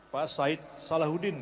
pak said salahuddin